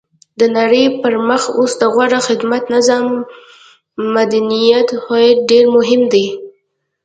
د نړۍ پرمخ اوس د غوره خدمت، نظام او مدنیت هویت ډېر مهم دی.